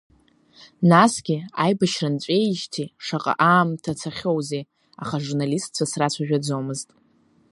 Насгьы аибашьра нҵәеижьҭеи шаҟа аамҭа цахьоузеи, аха ажурналистцәа срацәажәаӡомызт.